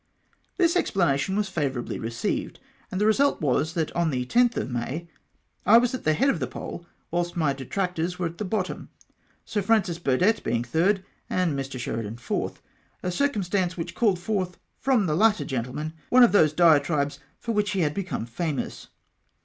This explanation was favourably received, and the result was, that on the 10th of May I was at the head of the poll, whilst my detractors were at the bottom ; Sir Francis Burdett being third, and Mr. Sheridan fourth, — a ckcumstance which called forth from the latter gentleman one of those diatribes for which he had become famous.